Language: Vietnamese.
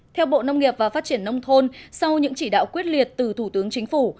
theo bộ nông nghiệp và phát triển nông thôn sau những chỉ đạo quyết liệt từ thủ tướng chính phủ